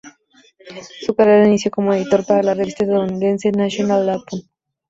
Su carrera inició como editor para la revista estadounidense "National Lampoon".